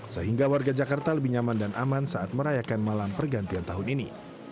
sehingga warga jakarta lebih nyaman dan aman saat merayakan malam pergantian tahun ini